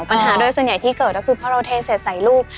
ปัญหาโดยส่วนใหญ่ที่เกิดก็คือพอเราเทเสร็จใส่ลูก